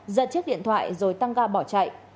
giật chiếc điện thoại rồi tăng ga bỏ chạy